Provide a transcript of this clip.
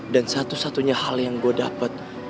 dan satu satunya hal yang gue dapet